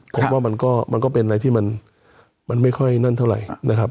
ผมว่ามันก็เป็นอะไรที่มันไม่ค่อยนั่นเท่าไหร่นะครับ